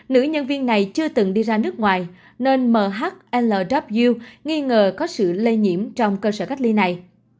nữ nhân viên này chưa từng đi ra nước ngoài nên mhl nghi ngờ có sự lây nhiễm trong cơ sở cách ly này